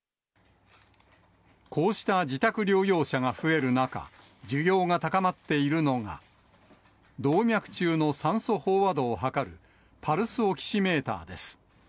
こうした自宅療養者が増える中、需要が高まっているのが、動脈中の酸素飽和度を測る、パルスオキシメーターです。